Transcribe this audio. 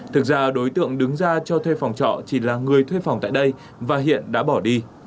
thực ra đối tượng đứng ra cho thuê phòng trọ chỉ là người thuê phòng tại đây và hiện đã bỏ đi